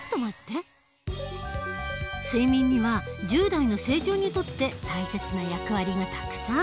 でも睡眠には１０代の成長にとって大切な役割がたくさん。